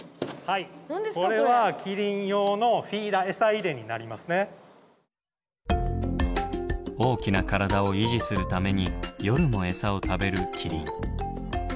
これは大きな体を維持するために夜もエサを食べるキリン。